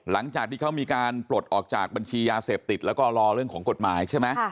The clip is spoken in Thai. หลังจากที่เขามีการปลดออกจากบัญชียาเสพติดแล้วก็รอเรื่องของกฎหมายใช่ไหม